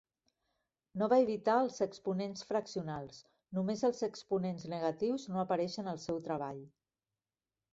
No va evitar els exponents fraccionals; només els exponents negatius no apareixen al seu treball.